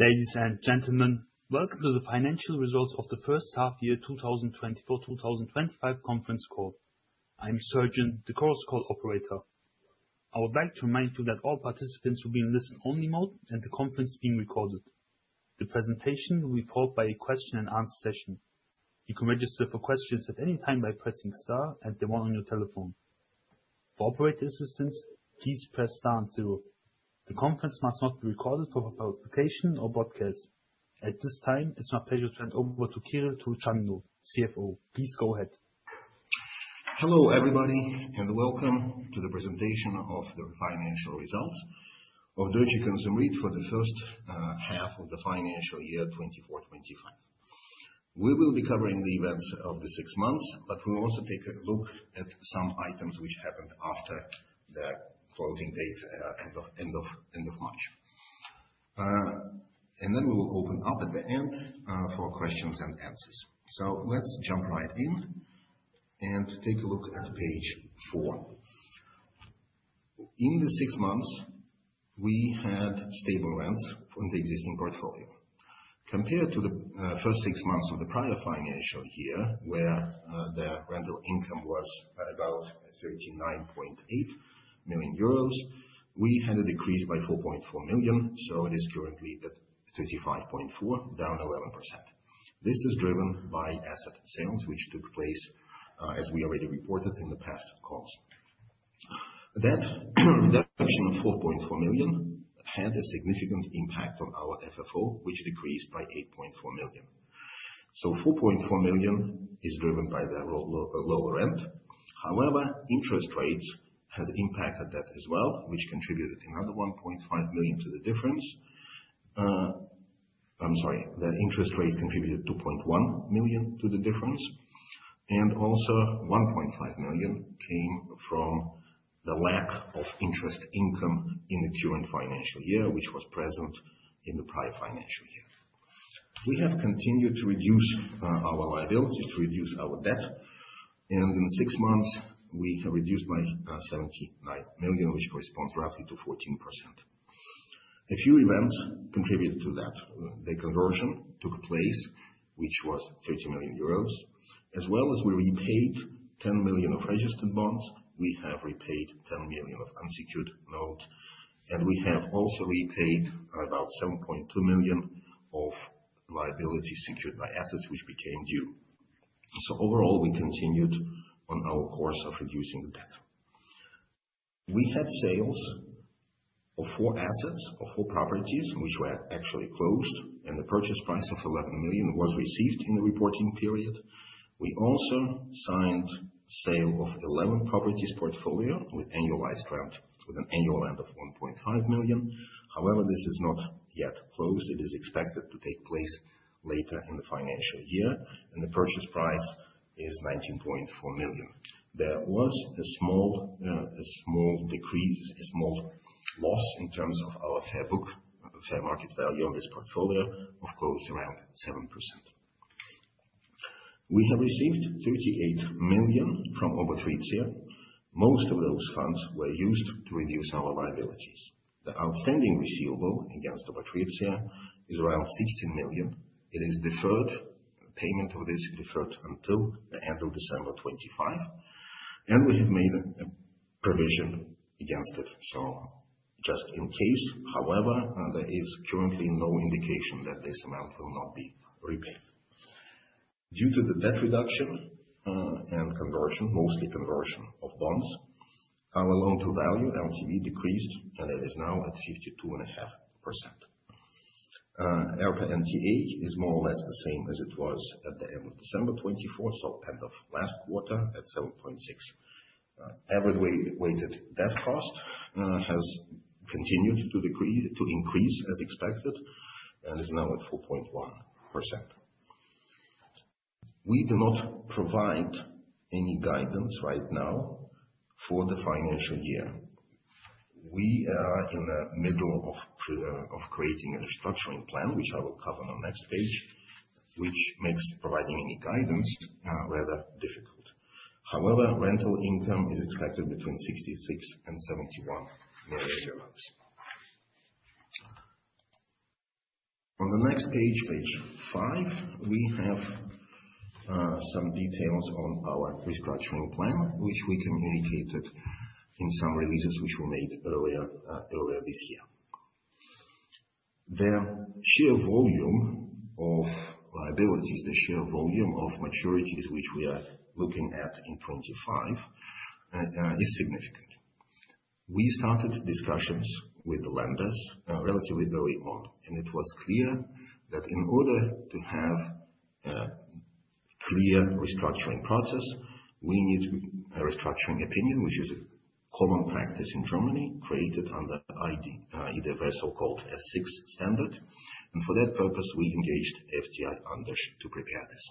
Ladies and gentlemen, welcome to the financial results of the first half year 2024-2025 conference call. I am Sergen, the call's call operator. I would like to remind you that all participants will be in listen-only mode and the conference is being recorded. The presentation will be followed by a question-and-answer session. You can register for questions at any time by pressing star and the one on your telephone. For operator assistance, please press star and Tilo. The conference must not be recorded for publication or broadcast. At this time, it's my pleasure to hand over to Kirill Turchaninov, CFO. Please go ahead. Hello everybody and welcome to the presentation of the financial results of Deutsche Konsum REIT-AG for the first half of the financial year 2024-2025. We will be covering the events of the six months, but we will also take a look at some items which happened after the closing date end of March. We will open up at the end for questions and answers. Let's jump right in and take a look at page four. In the six months, we had stable rents in the existing portfolio. Compared to the first six months of the prior financial year, where the rental income was about 39.8 million euros, we had a decrease by 4.4 million, so it is currently at 35.4 million, down 11%. This is driven by asset sales, which took place, as we already reported in the past calls. That reduction of 4.4 million had a significant impact on our FFO, which decreased by 8.4 million. 4.4 million is driven by the lower rent. However, interest rates have impacted that as well, which contributed another 1.5 million to the difference. I'm sorry, the interest rates contributed 2.1 million to the difference. Also, 1.5 million came from the lack of interest income in the current financial year, which was present in the prior financial year. We have continued to reduce our liabilities, to reduce our debt. In six months, we have reduced by 79 million, which corresponds roughly to 14%. A few events contributed to that. The conversion took place, which was 30 million euros. As well as we repaid 10 million of registered bonds, we have repaid 10 million of unsecured notes. We have also repaid about 7.2 million of liabilities secured by assets, which became due. Overall, we continued on our course of reducing the debt. We had sales of four assets or four properties, which were actually closed, and the purchase price of 11 million was received in the reporting period. We also signed sale of eleven properties portfolio with annualized rent, with an annual rent of 1.5 million. However, this is not yet closed. It is expected to take place later in the financial year, and the purchase price is 19.4 million. There was a small decrease, a small loss in terms of our fair book, fair market value on this portfolio, of close around 7%. We have received 38 million from Ober-Rietzia. Most of those funds were used to reduce our liabilities. The outstanding receivable against Ober-Rietzia is around 16 million. It is deferred. Payment of this is deferred until the end of December 2025. We have made a provision against it, just in case. However, there is currently no indication that this amount will not be repaid. Due to the debt reduction and conversion, mostly conversion of bonds, our loan to value, LTV, decreased and it is now at 52.5%. EPRA NTA is more or less the same as it was at the end of December 2024, so end of last quarter, at 7.6. Average weighted debt cost has continued to increase as expected and is now at 4.1%. We do not provide any guidance right now for the financial year. We are in the middle of creating a restructuring plan, which I will cover on the next page, which makes providing any guidance rather difficult. However, rental income is expected between 66 million and 71 million euros. On the next page, page five, we have some details on our restructuring plan, which we communicated in some releases which were made earlier this year. The sheer volume of liabilities, the sheer volume of maturities, which we are looking at in 2025, is significant. We started discussions with the lenders relatively early on, and it was clear that in order to have a clear restructuring process, we need a restructuring opinion, which is a common practice in Germany, created under IDW S6 standard. For that purpose, we engaged FTI Consulting to prepare this.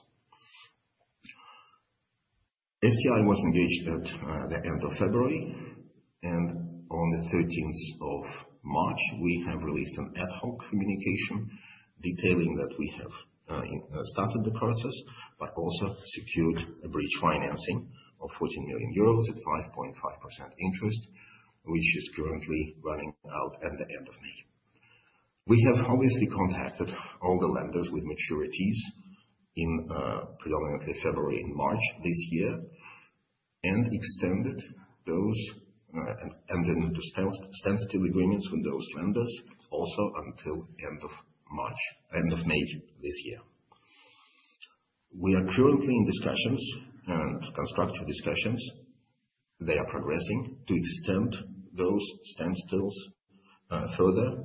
FTI was engaged at the end of February, and on the 13th of March, we have released an ad hoc communication detailing that we have started the process, but also secured a bridge financing of 14 million euros at 5.5% interest, which is currently running out at the end of May. We have obviously contacted all the lenders with maturities in predominantly February and March this year and extended those and then the standstill agreements with those lenders also until end of May this year. We are currently in discussions and constructive discussions. They are progressing to extend those standstills further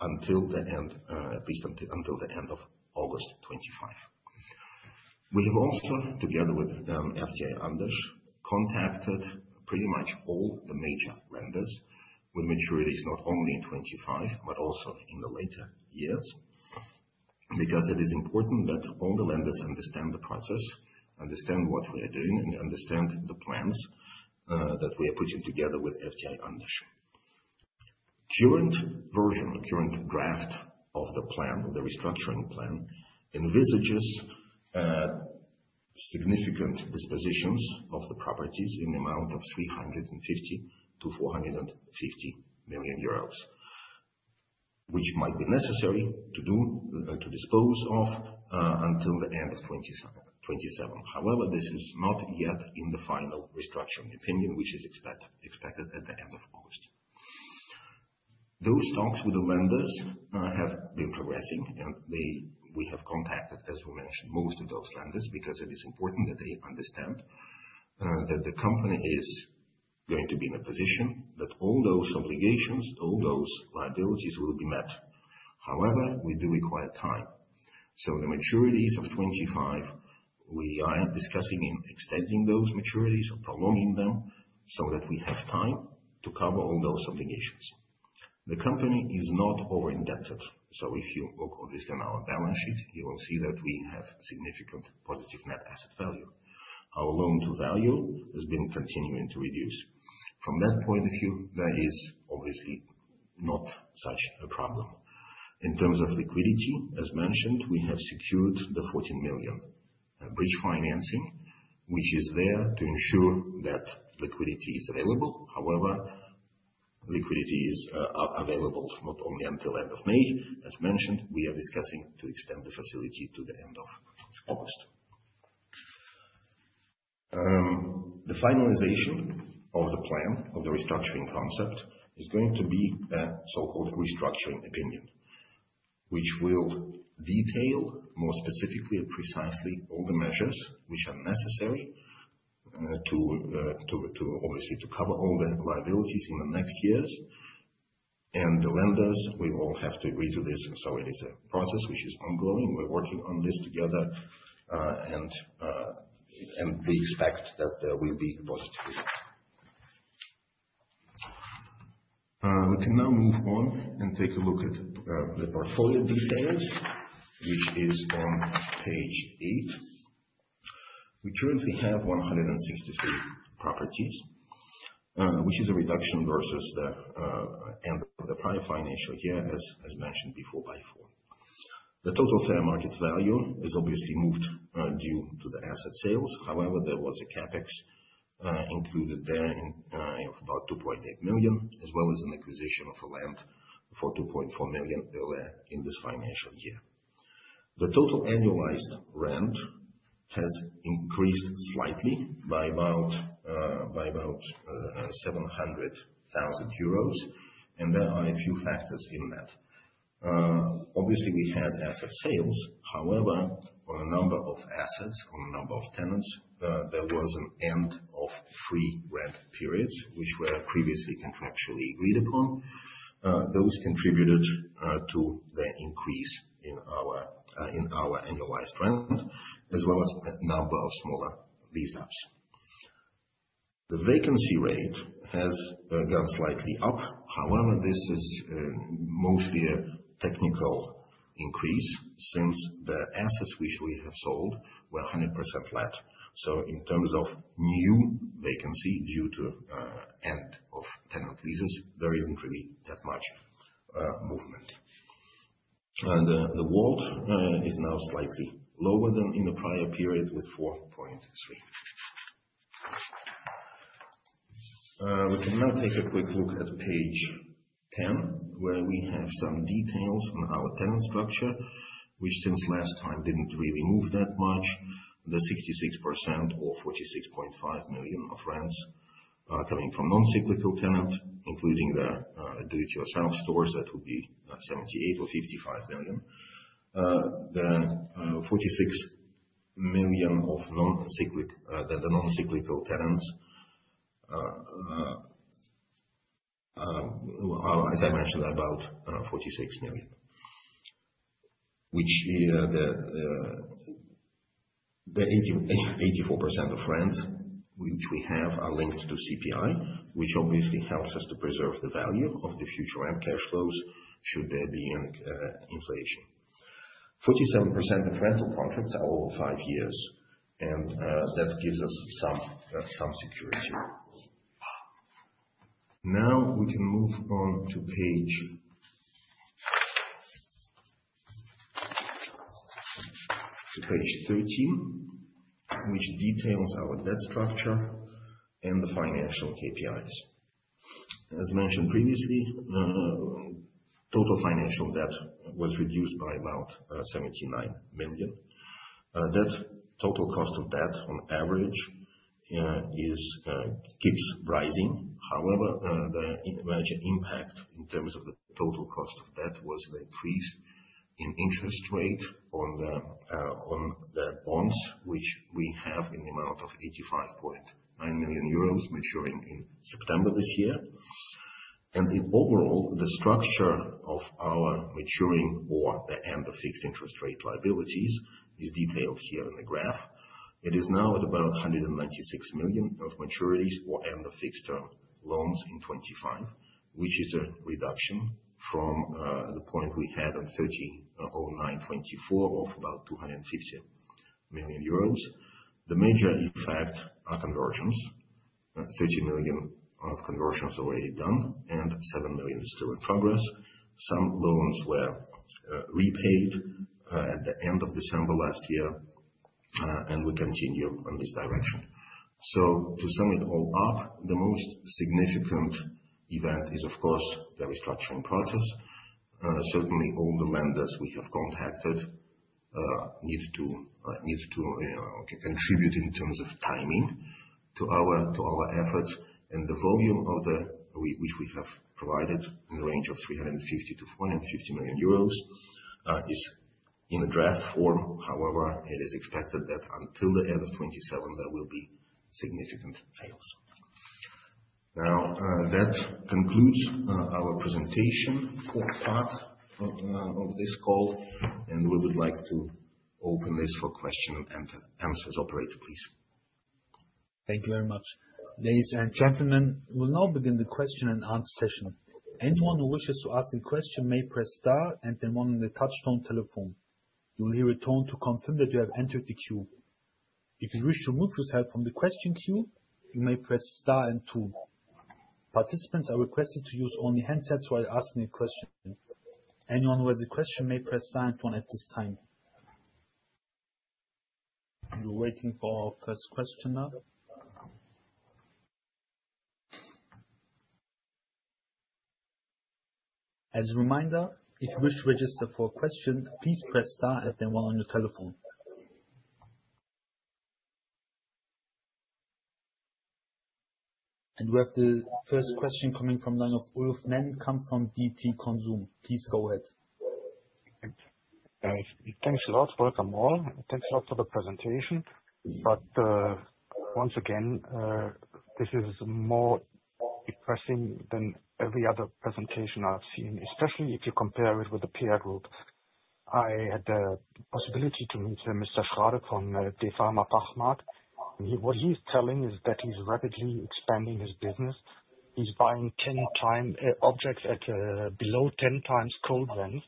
until the end, at least until the end of August 2025. We have also, together with FTI Consulting, contacted pretty much all the major lenders with maturities not only in 2025, but also in the later years, because it is important that all the lenders understand the process, understand what we are doing, and understand the plans that we are putting together with FTI Consulting. Current version, current draft of the plan, the restructuring plan, envisages significant dispositions of the properties in the amount of 350 million-450 million euros, which might be necessary to dispose of until the end of 2027. However, this is not yet in the final restructuring opinion, which is expected at the end of August. Those talks with the lenders have been progressing, and we have contacted, as we mentioned, most of those lenders because it is important that they understand that the company is going to be in a position that all those obligations, all those liabilities will be met. However, we do require time. The maturities of 2025, we are discussing in extending those maturities or prolonging them so that we have time to cover all those obligations. The company is not over-indebted. If you look at this in our balance sheet, you will see that we have significant positive net asset value. Our loan to value has been continuing to reduce. From that point of view, there is obviously not such a problem. In terms of liquidity, as mentioned, we have secured the 14 million bridge financing, which is there to ensure that liquidity is available. However, liquidity is available not only until the end of May. As mentioned, we are discussing to extend the facility to the end of August. The finalization of the plan, of the restructuring concept, is going to be a so-called restructuring opinion, which will detail more specifically and precisely all the measures which are necessary to obviously cover all the liabilities in the next years. The lenders, we all have to agree to this. It is a process which is ongoing. We're working on this together, and we expect that there will be positive results. We can now move on and take a look at the portfolio details, which is on page eight. We currently have 163 properties, which is a reduction versus the end of the prior financial year, as mentioned before, by four. The total fair market value has obviously moved due to the asset sales. However, there was a CapEx included there of about 2.8 million, as well as an acquisition of a land for 2.4 million earlier in this financial year. The total annualized rent has increased slightly by about 700,000 euros, and there are a few factors in that. Obviously, we had asset sales. However, on a number of assets, on a number of tenants, there was an end of three rent periods, which were previously contractually agreed upon. Those contributed to the increase in our annualized rent, as well as a number of smaller lease-ups. The vacancy rate has gone slightly up. However, this is mostly a technical increase since the assets which we have sold were 100% flat. In terms of new vacancy due to the end of tenant leases, there isn't really that much movement. The WALT is now slightly lower than in the prior period with 4.3. We can now take a quick look at page 10, where we have some details on our tenant structure, which since last time did not really move that much. The 66% or 46.5 million of rents are coming from non-cyclical tenants, including the do-it-yourself stores that would be 78% or 55 million. The 46 million of non-cyclical tenants are, as I mentioned, about EUR 46 million, which the 84% of rents which we have are linked to CPI, which obviously helps us to preserve the value of the future rent cash flows should there be an inflation. 47% of rental contracts are over five years, and that gives us some security. Now we can move on to page 13, which details our debt structure and the financial KPIs. As mentioned previously, total financial debt was reduced by about 79 million. That total cost of debt on average keeps rising. However, the major impact in terms of the total cost of debt was the increase in interest rate on the bonds, which we have in the amount of 85.9 million euros maturing in September this year. Overall, the structure of our maturing or the end of fixed interest rate liabilities is detailed here in the graph. It is now at about 196 million of maturities or end of fixed term loans in 2025, which is a reduction from the point we had on 30/09/2024 of about 250 million euros. The major effect are conversions. 30 million of conversions already done, and 7 million still in progress. Some loans were repaid at the end of December last year, and we continue on this direction. To sum it all up, the most significant event is, of course, the restructuring process. Certainly, all the lenders we have contacted need to contribute in terms of timing to our efforts. The volume of which we have provided in the range of 350 million-450 million euros is in a draft form. However, it is expected that until the end of 2027, there will be significant sales. Now, that concludes our presentation for part of this call, and we would like to open this for question and answers. Operator, please. Thank you very much. Ladies and gentlemen, we will now begin the question and answer session. Anyone who wishes to ask a question may press star and then one on the touchstone telephone. You will hear a tone to confirm that you have entered the queue. If you wish to remove yourself from the question queue, you may press star and two. Participants are requested to use only handsets while asking a question. Anyone who has a question may press star and one at this time. We're waiting for our first question now. As a reminder, if you wish to register for a question, please press star and then one on your telephone. We have the first question coming from the line of Ulf Nenn, come from Deutsche Konsum. Please go ahead. Thanks a lot. Welcome all. Thanks a lot for the presentation. Once again, this is more depressing than every other presentation I've seen, especially if you compare it with the peer group. I had the possibility to meet Mr. Schroth from Deutsche Fachmärkte, and what he's telling is that he's rapidly expanding his business. He's buying 10-time objects at below 10 times cold rents,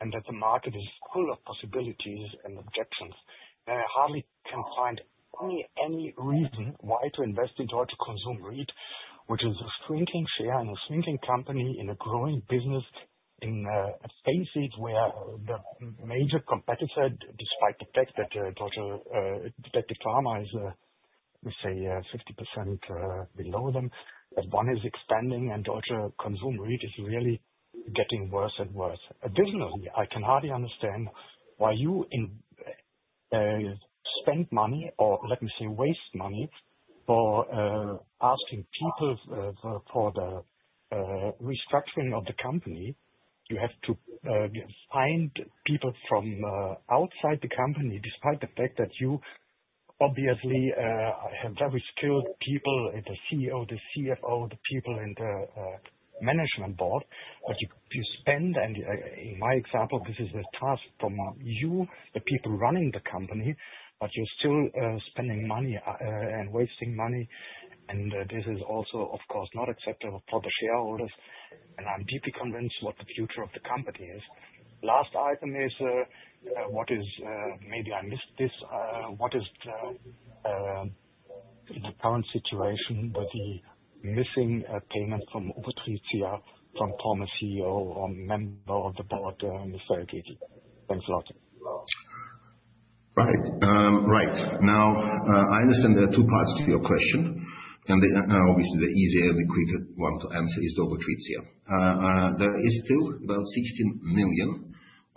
and that the market is full of possibilities and objections. I hardly can find any reason why to invest in Deutsche Konsum REIT, which is a shrinking share and a shrinking company in a growing business in a space where the major competitor, despite the fact that Deutsche Fachmärkte is, let's say, 50% below them, that one is expanding and Deutsche Konsum REIT is really getting worse and worse. Additionally, I can hardly understand why you spend money or, let me say, waste money for asking people for the restructuring of the company. You have to find people from outside the company, despite the fact that you obviously have very skilled people at the CEO, the CFO, the people in the management board, but you spend, and in my example, this is a task from you, the people running the company, but you're still spending money and wasting money. This is also, of course, not acceptable for the shareholders. I'm deeply convinced what the future of the company is. Last item is what is maybe I missed this. What is the current situation with the missing payment from Ober-Rietzia from former CEO or member of the board, Mr. Agetti? Thanks a lot. Right. Now, I understand there are two parts to your question. Obviously, the easier, the quicker one to answer is the Ober-Rietzia. There is still about 16 million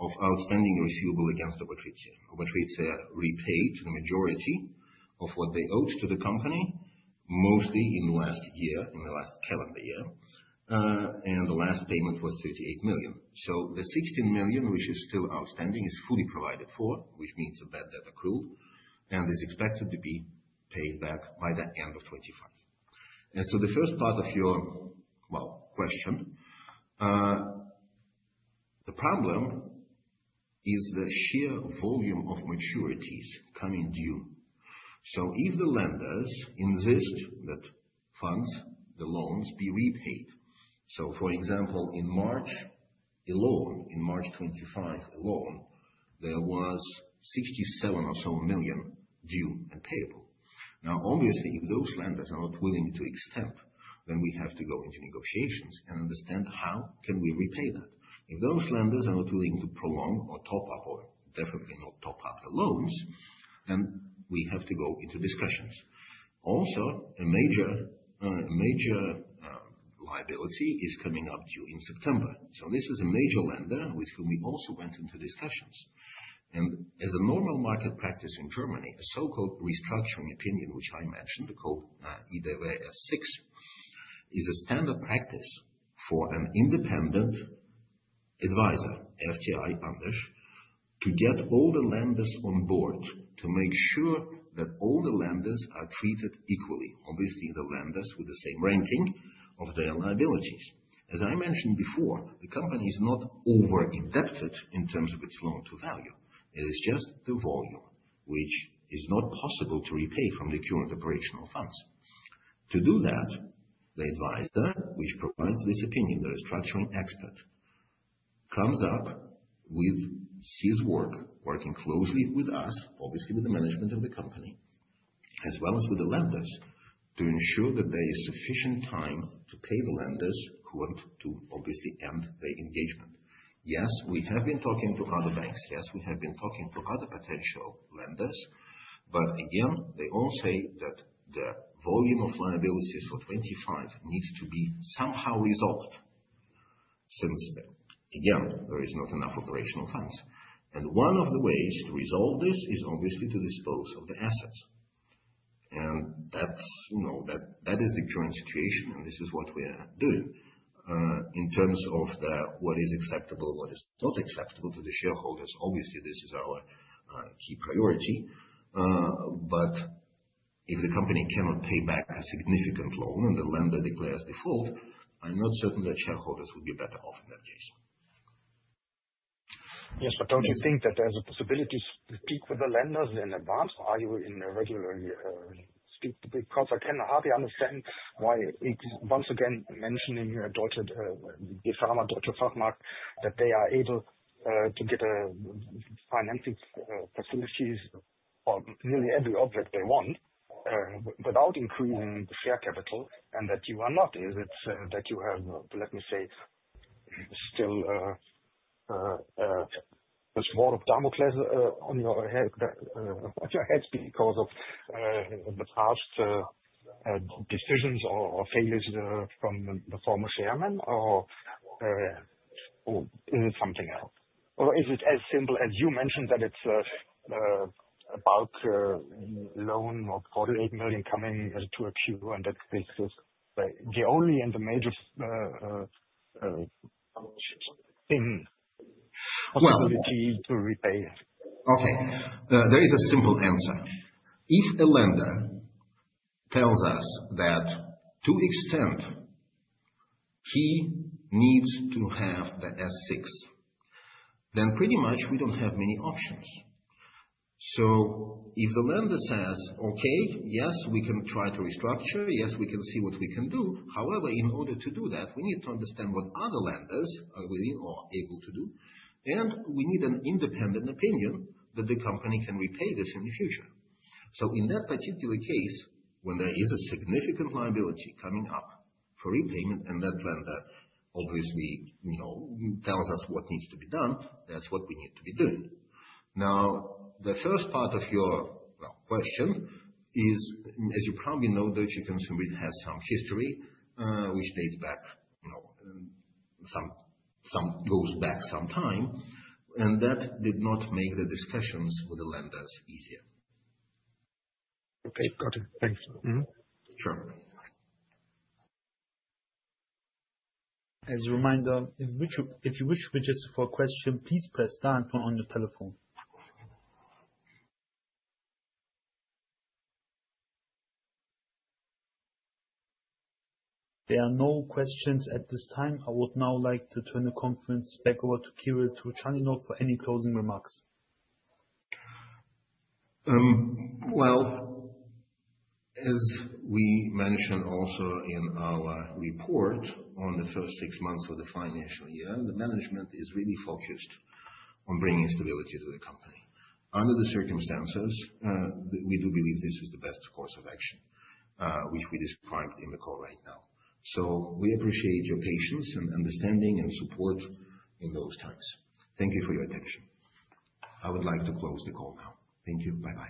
of outstanding receivable against Ober-Rietzia. Ober-Rietzia repaid the majority of what they owed to the company, mostly in the last year, in the last calendar year. The last payment was 38 million. The 16 million, which is still outstanding, is fully provided for, which means a bad debt accrual, and is expected to be paid back by the end of 2025. The first part of your, well, question, the problem is the sheer volume of maturities coming due. If the lenders insist that funds, the loans be repaid. For example, in March 2025, a loan, there was 67 million or so due and payable. Now, obviously, if those lenders are not willing to extend, then we have to go into negotiations and understand how can we repay that. If those lenders are not willing to prolong or top up, or definitely not top up the loans, then we have to go into discussions. Also, a major liability is coming up due in September. This is a major lender with whom we also went into discussions. As a normal market practice in Germany, a so-called restructuring opinion, which I mentioned, called IDW S6, is a standard practice for an independent advisor, FTI Consulting, to get all the lenders on board to make sure that all the lenders are treated equally, obviously the lenders with the same ranking of their liabilities. As I mentioned before, the company is not over-indebted in terms of its loan to value. It is just the volume, which is not possible to repay from the current operational funds. To do that, the advisor, which provides this opinion, the restructuring expert, comes up with his work, working closely with us, obviously with the management of the company, as well as with the lenders, to ensure that there is sufficient time to pay the lenders who want to obviously end the engagement. Yes, we have been talking to other banks. Yes, we have been talking to other potential lenders. Again, they all say that the volume of liabilities for 2025 needs to be somehow resolved since, again, there is not enough operational funds. One of the ways to resolve this is obviously to dispose of the assets. That is the current situation, and this is what we are doing. In terms of what is acceptable, what is not acceptable to the shareholders, obviously this is our key priority. If the company cannot pay back a significant loan and the lender declares default, I'm not certain that shareholders would be better off in that case. Yes, but don't you think that there's a possibility to speak with the lenders in advance? Are you in a regular speak to be caused? I can hardly understand why it's once again mentioning Deutsche Fachmärkte, that they are able to get financing facilities for nearly every object they want without increasing the share capital, and that you are not. Is it that you have, let me say, still the sword of Damocles on your head because of the past decisions or failures from the former chairman, or is it something else? Or is it as simple as you mentioned that it's a bulk loan of 48 million coming to a queue, and that this is the only and the major possibility to repay? Okay. There is a simple answer. If a lender tells us that to extend, he needs to have the S6, then pretty much we don't have many options. If the lender says, "Okay, yes, we can try to restructure. Yes, we can see what we can do. However, in order to do that, we need to understand what other lenders are willing or able to do, and we need an independent opinion that the company can repay this in the future. In that particular case, when there is a significant liability coming up for repayment and that lender obviously tells us what needs to be done, that's what we need to be doing. The first part of your question is, as you probably know, Deutsche Konsum REIT has some history which dates back, some goes back some time, and that did not make the discussions with the lenders easier. Okay. Got it. Thanks. Sure. As a reminder, if you wish to register for a question, please press star and one on your telephone. There are no questions at this time. I would now like to turn the conference back over to Kirill Turchaninov for any closing remarks. As we mentioned also in our report on the first six months of the financial year, the management is really focused on bringing stability to the company. Under the circumstances, we do believe this is the best course of action, which we described in the call right now. We appreciate your patience and understanding and support in those times. Thank you for your attention. I would like to close the call now. Thank you. Bye-bye.